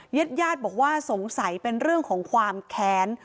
เย็ดบอกว่าสงสัยเป็นเรื่องของความแขน